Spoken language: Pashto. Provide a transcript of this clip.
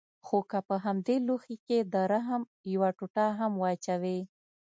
خو که په همدې لوښي کښې د رحم يوه ټوټه هم واچوې.